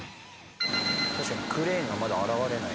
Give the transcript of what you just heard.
確かにクレーンがまだ現れない。